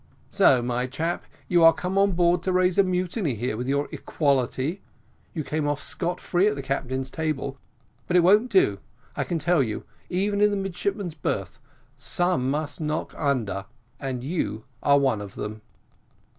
"So, my chap, you are come on board to raise a mutiny here with your equality you came off scot free at the captain's table; but it won't do, I can tell you, even in the midshipman's berth some must knock under, and you are one of them."